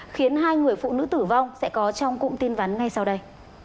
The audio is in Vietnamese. khiến hai người phụ nữ tử vong sẽ có trong cụm tin vắn ngay sau đây